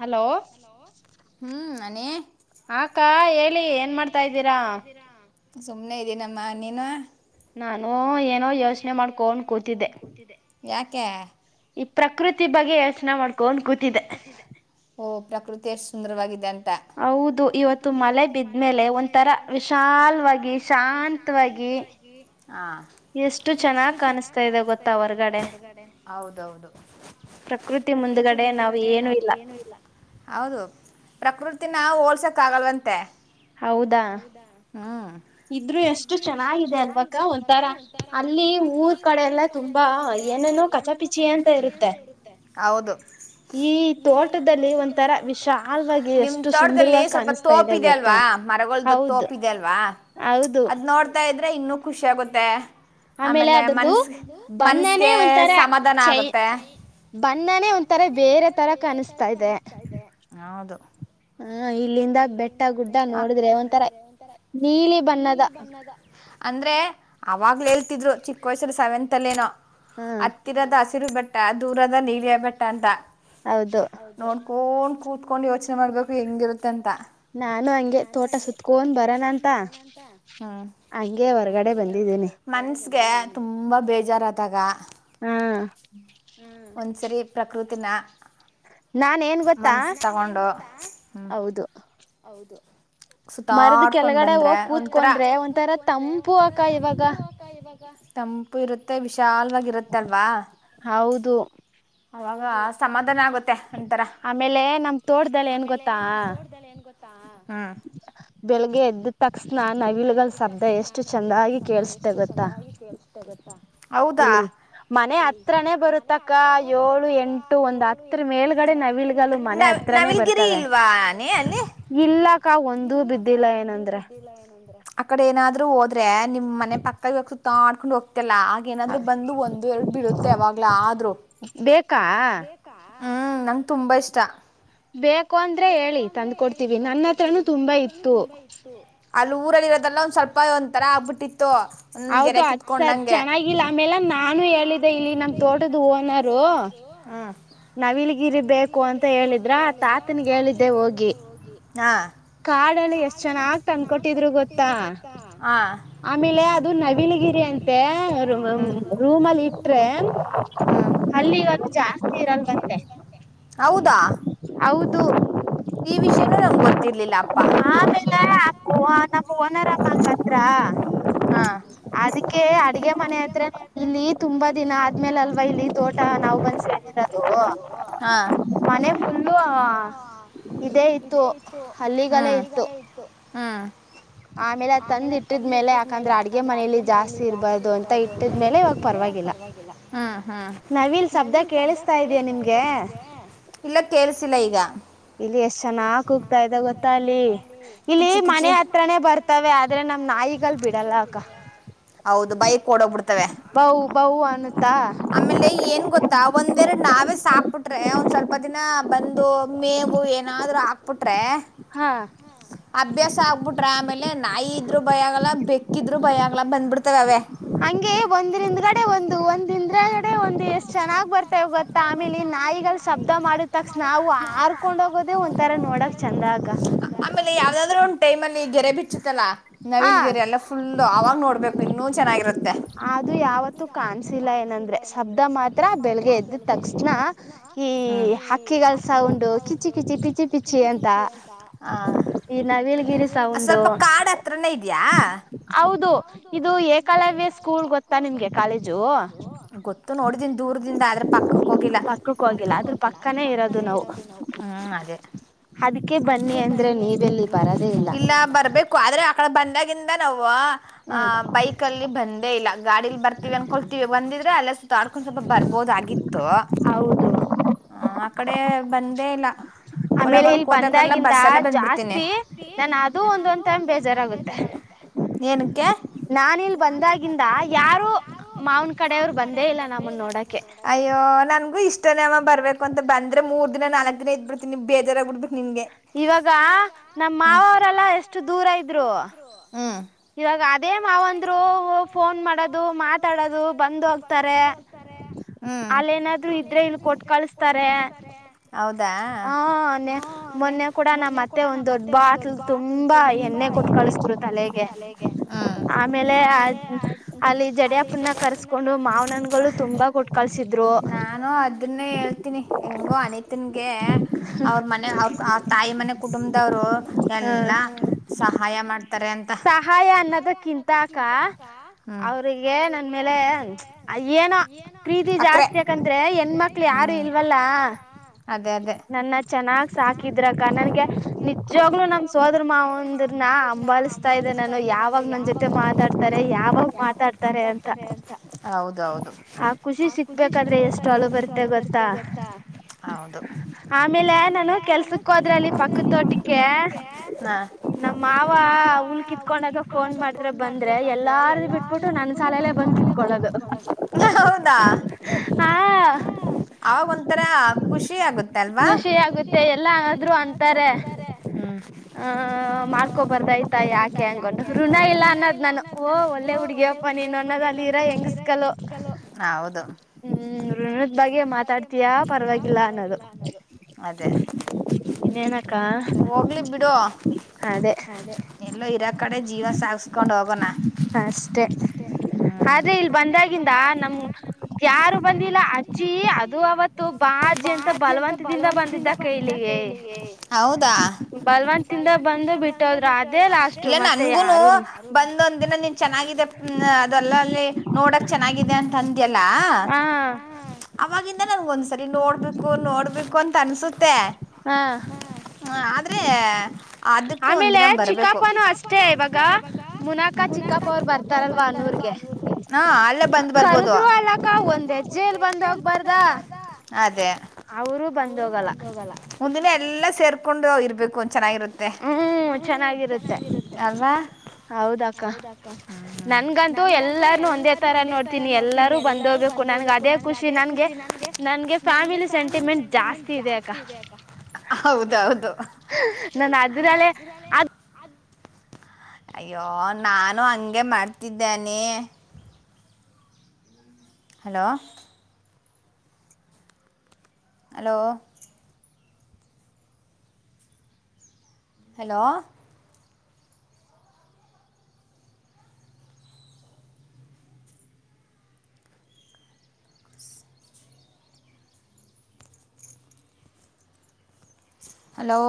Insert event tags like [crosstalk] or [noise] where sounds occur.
Hello ಲ ಹ್ಮ್ ಅನ ಆಕ ಹೇಳಿ ಏನ್ ಮಾಡ್ತಾ ಇದ್ದೀರಾ ಸುಮ್ನೆ ಇದ್ದೀನಮ್ಮ ನೀನು ನಾನು ಏನೋ ಯೋಚನೆ ಮಾಡ್ಕೊಂಡೊಂಡ್ ಕೂತಿದ್ದೆ ಯಾಕೆ ಈ ಪ್ರಕೃತಿ ಬಗ್ಗೆ ಯೋಚನೆ ಮಾಡ್ಕೊನ್ ಕೂತಿದೆ ಓಹ ಪ್ರಕೃತಿ ಎಷ್ಟು ಸುಂದರವಾಗಿದೆ ಅಂತ ಹೌದು ಇವತ್ತು ಮಳೆ ಬಿದ್ಮೇಲೆ ಒಂಥರ ವಿಶಾಲವಾಗಿ ಶಾಂತವಾಗಿ ಹಾ ಎಷ್ಟು ಚೆನ್ನಾಗಿ ಕಾಣಿಸ್ತಾ ಇದೆ ಗೊತ್ತ ಹೊರ್ಗಡೆ ಹೌದೌದು ಪ್ರಕೃತಿ ಮುಂದಗಡೆ ನಾವು ಏನು ಇಲ್ಲ ಹೌದು ಪ್ರಕೃತಿನ ಹೋಲ್ಸಕ್ ಆಗಲ್ವಂತೆ ಹದ ಹಾ ಇದ್ರು ಎಷ್ಟು ಚೆನ್ನಾಗಿದೆ ಅಂತಕ್ಕ ಒಂಥರ ಅಲ್ಲಿ ಊರ್ ಕಡೆ ಎಲ್ಲ ತುಂಬಾ ಹೌದು ಈ ತೋಟದ ಒಂಥರ ವಿಶಾಲವಾಗಿ ಎಷ್ಟು ಸುಂದರವಾಗಿ ಕಾಣಿಸ್ತಾ ಇದೆ ಗೊತ್ತಾ ಹೌದು ಇ ಅಲ್ವಾ ಅದ್ ನೋಡ್ತಾ ಇದ್ರೆ ಇನ್ನುೂ ಖುಷಿ ಆಗುತ್ತೆ ಆಮೇಲೆ ಮನ್ಸ್ ಮನ್ಸಗೆ ಸಮಾಧಾನ ಆಗುತ್ತೆ ಬಣ್ಣನೇ ಒಂ ತರ ಬೇರೆ ತರ ಕನಿಸತ ದೆ ಹೌದು ಹಾ ಇಲ್ಲಿಂದ ಬೆಟ್ಟ ಗುಡ್ಡ ನೋಡಿದ್ರೆ ಒಂಥರ ನೀಲಿ ಬಣ್ಣದ ಅಂದ್ರೆ ಅವಾಗ್ಲ ಹೇಳ್ತಿದ್ರು ಚಿಕ್ಕ ವಯಸೂರು ಸೆವೆಂತ್ ಅಲ್ಲೇನೋ ಅ ಹತ್ತಿರದ ಹಸಿರು ಬೆಟ್ಟ ದೂರದ ನೀಳಯ ಬೆಟ್ಟ ಅಂತ ಹೌದು ನೋಡ್ಕೊಂಡ್ ಕೂತ್ಕೊಂಡ್ ಯೋಚನೆ ಮಾಡ್ಬೇಕು ಹೆಂಗಿರುತ್ತೆ ಅಂತ ನಾನು ಹಗೆ ತೋಟ ಸುತ್ತೇನ್ ಬರೋಣ ಅಂತ ಹಗೆ ಮನ್ಸಗೆ ತುಂಬಾ ಬೇಜಾರಾದಾಗ ಹ್ಮ ಒಂದ್ಸರಿ ಪ್ರಕೃತಿನ ಮನಸಿಗೆ ತಗೊಂಡು ಹ್ಞೂ ಹೌದು ಹೌದು ಸುತ್ತಾಡ್ಕೊಂಡ್ ಬಂದ್ರೆ ಒಂಥರ ಕೂತ್ಕೊಂಡ್ರೆ ಒರ ತಂಪು ತಂಪು ಇರುತ್ತೆ ವಿಶಾಲವಾಗಿರುತ್ತೆ ಅಲ್ವಾ ಅವಾಗ ಸಮಾಧಾನ ಆಗುತ್ತೆ ಅಂತರ ಆಮೇಲೆ ನಮ ತೋಟದಲ್ಲಿ ಏನ್ ಗೊತ್ತ ಹ್ಮ ಬೆಳಿಗ್ಗೆ ಎದ್ದ ತಕ್ಷಸ್ಣ ನವಿಲುಗಳ ಶಬ್ದ ಎಷ್ಟು ಚಂದಾಗಿ ಕೇಳಳ್ಸತೆೇ ಗೊತ್ತಾ ಹೌದಾ ಇಲ್ಲಿ ಮನೆ ಹತ್ರನೇ ಬರುತ್ತಕ್ಕ ಏಳು ಎಂಟು ಒಂದು ಹತ್ರ ಮೇಲೆ ನವಿಲ್ಗಿರಿ ಇಲ್ವಾ ನೀ ಅಲ್ಲಿ ಇಲ್ಲಕ್ಕ ಒಂದೂ ಬಿದ್ದಿಲ್ಲ ಏನಂದ್ರ ಆ ಕಡೆ ಏನಾದ್ರು ಹೋದ್ರೆ ನಿಮ್ ಮನೆ ಪಕ್ಕದ ಸುತ್ತಾಡ್ಕೊಂಡ್ ಹೋಗ್ತಲ್ಲಾ ಏನಾದ್ರರು ಬಂದು ಒಂದು ಎರಡು ಬಿಡುತ್ತೆ ಅವಾಗ್ಲ ಆದ್ರರು ಬೇಕಾ ಹ್ಮ್ ನಂಗೆ ತುಂಬಾ ಇಷ್ಟ ಬೇಕು ಅಂದ್ರೆ ಹೇಳಿ ತಂದ್ಕ ಕೊಡ್ತೀವಿ ನನ್ನ ಹತ್ರನು ತುಂಬಾ ಇತ್ತು ಅಲ್ಲಿ ಊರಲ್ಲಿರೋದೆಲ್ಲ ಒಂದ್ ಸ್ವಲ್ಪ ಒ್ ತರ ಆಗ್ಬಿಟ್ಟಿತ್ತು ಒಂದ ಗೆರೆ ಕಿತ್ಕೊಂಡ್ ನಂಗೆ ಆಮೇಲೆ ನಾನು ಹೇಳಿದ್ದೆ ಇಲ್ಲಿ ನಮ ತೋಟದ ಓನರು ಹಾ ನಾವ್ಲ್ಗಿರಿ ಬೇಕು ಅಂತ ಹೇಳಿದ್ರ ತಾತನ್ಗ್ ಹೇಳಿದ್ದೆ ಹೋಗಿ ಹಾ ಕಾಡಲ್ಲಿ ಎಷ್ಟ್ ಜನ ಆಗ್ತ ಅಂದಕೊಟ್ಟಿದ್ರು ಗೊತ್ತಾ ಆಮೇಲೆ ಅದು ನವಿಲಗಿರಿ ಅಂತೆ ರೂಮಲ್ಲಿ ಇಟ್ರೆ ಅಲ್ಲಿಗ ಜಾಸ್ತಿ ಇರಲ್ ಮತ್ತೆ ಹೌದು ಈ ವಿಷಯನೂ ನಂಗೆ ಗೊತ್ತಿರ್ಲಿಲ್ಲ ಅಪ್ಪಾ ಆಮೇಲೆ ನಮ್ಮ ಓನರ್ಮ್ಮತ್ರ ಹಾ ಅದಕ್ಕೆ ಅಡ್ಗೆ ಮನೆ ಹತ್ರೆ ಇಲ್ಲಿ ತುಂಬಾ ದಿನ ಆದ್ಮೇಲೆ ಅಲ್ವಾ ಇಲ್ಲಿ ತೋಟ ನಾವ್ ಬನ್ಸತ ದು ಮನೆ ಫುಲ್ಲು ಇದೇ ಇತ್ತು ಹ್ಮ್ ಹ್ಮ್ ಆಮೇಲೆ ಅ ತಂದ್ ಇಟ್ಟಿದ್ಮೇಲೆ ಯಾಕಂದ್ರೆ ಅಡ್ಗೆ ಮನಲಿ ಜಾಸ್ತಿ ಇರ್ಬದು ಅಲ್ಟ ಇಟ್ಟಿದ್ಮೇಲೆ ಹ್ಮ್ ಹ್ಮ್ ನವೀನ್ ಸದ್ದ ಕೇಳಿಸಸ್ತಾ ಇದಿ ನಿಮಗೆ ಇಲ್ಲ ಕೇಳಸಿಲ್ಲ ಈಗ ಇಲ್ಲಿ ಎಷ್ಟ್ ಚೆನ್ನ ಕೂಗ್ತಾ ಇದ್ದ ಗೊತ್ತ ಅಲ್ಲಿ ಇಲ್ಲಿ ಮನೆ ಹತ್ರಾನೇ ಬರ್ತ. ಇಂತವೆ ಆದ್ರೆ ನಮ್ ನಾಯಿಗಲ್ ಬಿಡಲ್ಲ ಅಕ್ಕ. ಬೌ ಬೌ ಅನ್ನುತ್ತಾ. ಆಮೇಲೆ ಏನ್ ಗೊತ್ತಾ ಒಂದ್ ಎರಡು ನಾವೇ ಸಾಕ್ಬಿಟ್ಟ ಬಿಟ್ರೆ [unintelligible] ಒಂದ್ ಸ್ವಲ್ಪ ದಿನ ಬಂದು ಮೇವು ಏನಾದ್ರೂ ಹಾಕ್ಬಿಟ್ರೆ. ಹಾ ಅಭ್ಯಾಸ ಆಗ್ಬಿಟ್ರೆ ಆಮೇಲೆ, ಇಲ್ಲ ನಾಯಿ ಇದ್ರು ಭಯ ಆಗಲ್ಲ. ಬೆಕ್ಕಿದ್ರು ಭಯ ಆಗಲ್ಲ ಬಂದ್ಬಿಡ್ತೇವೆ ಅವೇ. ಹಂಗೆ ಒಂದಿನಿಂದ್ಗಡೆ ಒಂದು ಒಂದ್ ದಿಂದ್ರಗಡೆ ಒಂದು ಎಷ್ಟ್ ಚೆನ್ನಾಗ್ ಬರ್ತ. ಗೊತ್ತಾ ಆಮೇಲೆ ನಾಯಿಗಲ್ ಶಬ್ದ ಮಾಡಿದ ತಕ್ಷಸ್ ನಾವು ಆರ್ಕೊಂಡೋಗೋದೇ ಒಂಥರ ನೋಡಕ್ ಚೆಂದ ಆಗ. ಆಮೇಲೆ ಯಾವ್ದಾದ್ರೂ ಒಂದು ಟೈಮ್ ಅಲ್ಲಿ ಗೆರೆ ಬಿಚ್ಚತ್ತಲ್ಲಾ ನವಿಲ್ ಗೆರೆ ಎಲ್ಲ, ಫುಲ್ಲು ಆವಾಗ ನೋಡಬೇಕು ಇನ್ನೂ ಚೆನ್ನಾಗಿರುತ್ತೆ. ಅದು ಯಾವತ್ತೂ ಕಾಣಸಿಲ್ಲ ಏನಂದ್ರೆ ಶಬ್ದ ಮಾತ್ರ ಬೆಳಿಗ್ಗೆ ಎದ್ದ. ಎದ್ದ ತಿನ ಈ ಹಕ್ಕಿಗಳಂತ ಒಂದು ಕಿಚಿ ಕಿಚಿ ಕಿಚಿ ಕಿಚಿ ಅಂತ. ಹ- ಸ್ವಲ್ಪ ಕಾಡ್ ಹತ್ರನೇ ಇದೆಯ. ಹೌದು ಇದು ಏಕಲವ್ಯ ಸ್ಕೂಲ್ ಗೊತ್ತಾ ನಿಮ್ಗೆ ಕಾಲೇಜು. ಗೊತ್ತು ನೋಡಿದನ್ ದೂರದಿಂದ ಆದ್ರ ಪಕ್ಕ. ಹೋಗಿಲ್ಲ ಪಕ್ಕಕ್ಕ ಹೋಗಿಲ್ಲ ಅ್ರ ಪಕ್ಕನೇ ಇರೋದು ನಾವು -ಹ್ಮ್ -ಅದೆ ಅದ ಬನ್ನಿ ಅಂದ್ರೆ ಇಲ್ಲ ಬರ್ಬೇಕು [unintelligible] ಆದ್ರೆ ಆಕಡೆ ಬಂದಾಗಿಂದ ನಾವು ಆಹ್ ಬೈಕ್ ಅಲ್ಲಿ ಬಂದೇ ಇಲ್ಲ ಗಾಡಿಲ್ ಬರ್ತೀವಿ ಅನ್ಕೊಳ್ತೀವಿ ಬಂದಿದ್ರೆ ಅಲ್ಲ ಸ ಆಡ್ಕೊಂಡ್ ಸ್ವಲ್ಪ ಬರ್ಬೋದಾಗಿತ್ತು. ಆ ಕಡೆ ಬಂದೇ ಇಲ್ಲ ಳಗ [unintelligible] ಕೋದಾಗಲ್ಲ ಬಸ್ಸಲ್ಲ ಬಂದ್ಬಿಡ್ತೀನಿ ಅ ಉ ಅಂತ ಬೇಜಾರಾಗುತ್ತೆ. ಏನಿಕ್ಕೆ, ನಾನ ಇಲ್ ಬಂದಾಗಿಂದ ಯಾರು ಮಾವನ ಕಡೆಯವರು ಬಂದೇ ಇಲ್ಲ ನಮ್ಮನ್ ನೋಡಕ್ಕೇ. ಅಯ್ಯೋ ನನ್ಗು ಇಷ್ಟನೇ ಅಮ್ಮ ಬರ್ಬೇಕು ಅಂತ ಬಂದ್ರೆ ಮೂರು ದಿನ ನಾಲ್ಕ್ ದಿನ ಇದ್ ಬಿಡ್ತೀನಿ ಬೇಜಾರಾಗ ಬಿಡ್ಬಿಟ್ಟಿ. ಇವಾಗ ನಮ್ಮ ಮಾವವರೆಲ್ಲ ಎಷ್ಟು ದೂರ ಇದ್ರು. ಹ್ಮ್ ಇವಾಗ ಅದೇ ಮಾವಂದ್ರು ಫೋನ್ ಮಾಡದು ಮಾತಾಡೋದು ಬಂದು ಹೋಗ್ತಾರೆ. ಅಲ್ಲೇನಾದ್ರು ಇದ್ರೆ ಇಲ್ಲಿ ಕೊಟ್ ಕಳಸ್ತಾರೆ ಹ ನ್ನೇ ಮೊನ್ನೆ, ಕೂಡ ನಾಮತ್ತೆ ಒಂದ ದೊಡ್ಡ ಬಾಟ್ಲ್ ತುಂಬಾ ಎಣ್ಣೆ ಕೊಟ್ ಕಳಿಸ್ರು ತಲೆಗೆ, ಆಮೇಲೆ ಆ ಅಲ್ಲಿ ಜಡಿಯಪ್ಪನ್ನ ಕರ್ಸ್ಕೊಂಡು ಮಾವನನ್ಗಳು ತುಂಬಾ, ಕೊಟ್ ಕಲ್ಸ ನಾನು ಅದನ್ನ ಹೇಳ್ತೀನಿ ಹೆಂಗು ಅನಿತಿನ್ಗೇ ಅವ್ರ ಮನೆ ಅವ್ರ ಆ ತಾಯಿ ಮನೆ ಕುಟುಂಬದವರು ಎಲ್ಲಾ ಸಹಾಯ ಮಾಡ್ತ ಸಹಾಯ ಅನ್ನೋದಕ್ಕಿಂತಕ ಅವ್ರಿಗೆ ನನ್ ಮೇಲೆ ಏನೋ ಪ್ರೀತಿ ಜಾಸ್ತಿ ಯಾಕಂದ್ರೆ ಹೆಣ್ಮಕ್ಳ ಯಾರು ಇಲ್ವಲ್ಲ. ಅದೇ ಅದೇ [unintelligible] ನಮ್ ಸೋದರ ಮಾವಂದ್ರನ ಅಂಬಾಲಿಸ [unintelligible] ತ ಇದೆ ನಾನು ಯಾವಾಗ ನನ್ ಜೊತೆ ಮಾತಾಡ್ತಾರೆ ಯಾವಾಗ ಮಾತಾಡ್ತಾರೆ ಅಂತ. ಹೌದೌದು ಹ -ಖುಷಿ ಸಿಕ್ಬೇಕಾದ್ರೆ ಎಷ್ಟಲ ಬರ್ತ ಗೊತ್ತಾ ಹೌದು ಆಮೇಲೆ ಯನಾನ. ಕೆಲ್ಸಕ್ಕ ಹೋದ್ರ ಅಲ್ಲಿ ಪಕ್ಷ ತೋದಕ್ಕೆ. ನಮ್ಮ ಮಾವ ಕಿತ್ಕೊಂಡಾಗ ಫೋನ್ ಮಾಡಿದ್ರೆ ಬಂದ್ರೆ ಎಲ್ಲಾರ್ದು ಬಿಟ್ಬಿಟ್ಟು ನನ್ನ ಸಾಲೆಯಲ್ಲೇ ಬಂದ್ ಕಿತ್ಕಳೋದು. [unintelligible] [unintelligible] ಅವಾಗ ಒಂಥರಾ ಖುಷಿ ಆಗುತ್ತ ಅಲ್ವಾ ಖುಷಿ ಆಗುತ್ತೆಎಲ್ಲಾ ಆದ್ರೂ ಆಗ್ತಾರೆ. ಹು ಹ ಮಾಡ್ಕೋಬಾರ್ದಾಯಯ್ತಾ ಯಾಕೆ ಯಾಕೆ ಅಂಗ ಋಣ ಇಲ್ಲ ಅನ್ನೋತ್ ನಾನಓ ಒಳ್ಳೆ ಹುಡ್ಗಿಪ್ಪ ನೀದಲ್ಲಿ ಇರ ಹೆಂಗಕಲ್ಲ, ಹೌದು ದ್ ಬಗೆ ಮಾತಾಡ್ತೀಯಾ ಪರವಾಗಿಲ್ಲ ಅನ್ನೋದು ಅದೇ ಹೋಗ್ಲಿ ಬಿಡು ಅದೇ, ಎಲ್ಲೋ ಇರಾ ಕಡೆ ಜೀವನ ಸಾಗಸ್ಕೊಂಡ್ ಹೋಗೋಣ ಅಷ್ಟೇ. ಆದ್ರೆ ಇಲ್ಲಿ ಬಂದಾಗಿಂದ ನಮ್ಮ್ ಯಾರು ಬಂದಿಲ್ಲ ಅಜ್ಜಿ ಅದು ಅವತ್ತು ಬಾ ಅಜ್ಜಿ ಅಂತ ಬಲವಂತದಿಂದ ಬಂದಿದ್ದ ಬಂದಿದ್ದ ಕೈ ಗೆ ಹೌದಾ ಬಲ್ವಂತಿಂದ ಬಂದು ಬಿಟ್ಟೋದ್ರು ಅದೇ ಲಾಸ್ಟ್ ಏ ನನ್ಗುನು ಬಂದ ಒಂದ ದಿನ ನೀನ್ ಚೆನ್ನಾಗಿದೆ ಅದೆಲ್ಲಲ್ಲಿ ನೋಡಕ್ ಚೆನ್ನಾಗಿದೆ ಅಂದಲ್ಲಾ ಅವಾಗಿಂದ ನನ್ಗ ಒಂದ್ಸರಿ ನೋಡ್ಬೇಕು ನೋಡ್ಬೇಕು ಅಂತ ಅಂತ ಅನ್ಸುತ್ತೆ ಹ ಹ್ಮ ಆದ್ರೆ ಅದಕ್ಕೂ ಒಂದ ದಿನ ಬರ್ಬೇಕು [unintelligible] ಚಿಕ್ಕಪ್ಪ ಅವರು ಬರ್ತಾರಲ್ವಾ ನೂಗೆ ಹಾ ಅಲ್ಲೇ ಬಂದ್ ಬರ್ಬೋದು ಇದ್ರು ಅಲ್ಲ ಅಕ್ಕಾ ಒಂದೇ ಹೇಜೇಲ್ ಬಂದ ಹೋಗ್ಬಾರ್ದ ಅದೇ ಅವರು ಬಂದ್ ಹೋಗಲ್ಲ ಮುಂದಿನ ಎಲ್ಲಾ ಸೇರ್ಕೊಂಡು ಇರ್ಬೇಕು ಚೆನ್ನಾಗಿರುತ್ತೆ ಹ್ಮ ಚೆನ್ನಗಿರತ್ತ ಅಲ್ವಾ ಹೌದಕ್ಕ ನನ್ಗಂತೂ ಎಲ್ಲಾರ ಒಂದೇ ತರ ನೋಡ್ತೀನಿ ಎಲಾ ಎಲ್ಲರೂ ಬಂದೋಗ್ಬೇಕು ನನ್ಗೆ ಅದೇ ಖುಷಿ ನನ್ಗೆ ನನ್ಗೆ ಫ್ಯಾಮಿಲಿ ಸೆಂಟಿಮೆಂಟ್ ಜಾಸ್ತಿ ಇದೆ ಅಕ್ಕಾ ಹೌದೌದು ಅಯ್ಯೋ ನಾನು ಹಂಗೆ ಮಾಡ್ತಿದ್ದೇನೆ ಹಲೋ ಹಲೋ ಹಲೋ ಹಲೋ